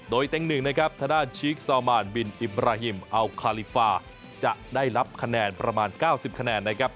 โดยเต็ง๑นะครับทางด้านชีคซาวมานบินอิบราฮิมอัลคาลิฟาจะได้รับคะแนนประมาณ๙๐คะแนนนะครับ